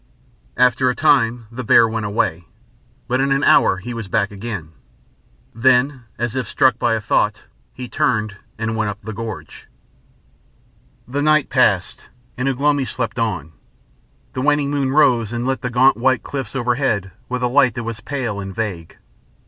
After a time the bear went away, but in an hour he was back again. Then, as if struck by a thought, he turned, and went up the gorge.... The night passed, and Ugh lomi slept on. The waning moon rose and lit the gaunt white cliff overhead with a light that was pale and vague.